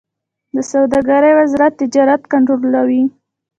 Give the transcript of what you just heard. د سوداګرۍ وزارت تجارت کنټرولوي